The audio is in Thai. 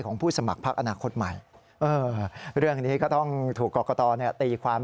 ผู้สมัครพักอนาคตใหม่เรื่องนี้ก็ต้องถูกกรกตตีความ